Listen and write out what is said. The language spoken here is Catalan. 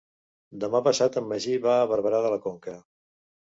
Demà passat en Magí va a Barberà de la Conca.